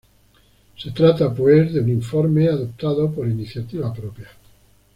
Se trata, pues, de un informe adoptado por iniciativa propia.